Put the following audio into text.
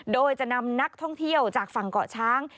โดยจะนำนักท่องเที่ยวจากฝั่งเกาะช้าง